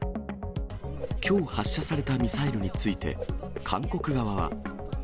きょう発射されたミサイルについて韓国側は。